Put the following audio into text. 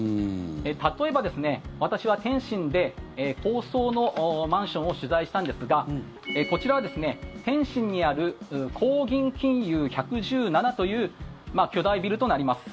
例えば、私は天津で高層のマンションを取材したんですがこちらは天津にある高銀金融１１７という巨大ビルとなります。